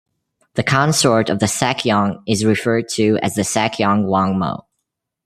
The consort of the Sakyong is referred to as the Sakyong Wangmo.